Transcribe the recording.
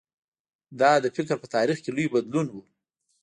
دا د فکر په تاریخ کې لوی بدلون و.